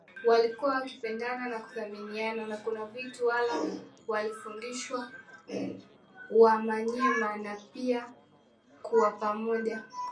walikuwa wakipendana na kuthaminiana na kuna vitu Waha waliwafundisha wamanyema na pia kunapamoja